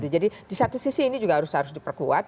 jadi di satu sisi ini juga harus diperkuat